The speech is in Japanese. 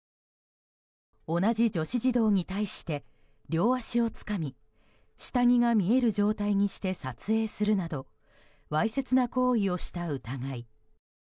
同じ女子児童に対して両足をつかみ下着が見える状態にして撮影するなどわいせつな行為をした疑い。